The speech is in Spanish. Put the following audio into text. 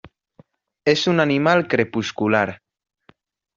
Es un animal crepuscular.